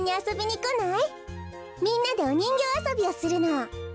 みんなでおにんぎょうあそびをするの。